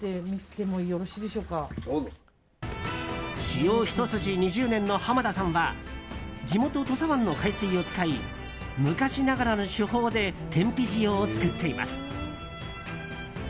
塩ひと筋２０年の浜田さんは地元・土佐湾の海水を使い昔ながらの手法で天日塩を作っています。